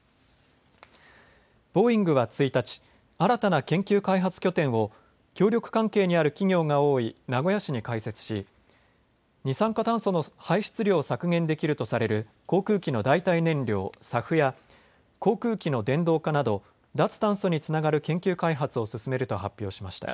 ボーイングは１日、新たな研究開発拠点を協力関係にある企業が多い名古屋市に開設し、二酸化炭素の排出量を削減できるとされる航空機の代替燃料、ＳＡＦや航空機の電動化など脱炭素につながる研究開発を進めると発表しました。